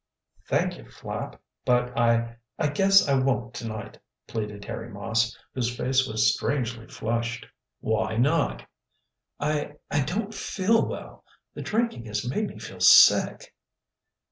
"Thank you, Flapp, but I I guess I won't to night," pleaded Harry Moss, whose face was strangely flushed. "Why not?" "I I don't feel well. The drinking has made me feel sick."